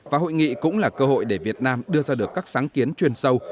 và hội nghị cũng là cơ hội để việt nam đưa ra được các sáng kiến truyền sâu